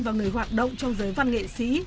và người hoạt động trong giới văn nghệ sĩ